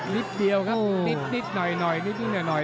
นิดเดียวครับนิดหน่อยนิดหน่อย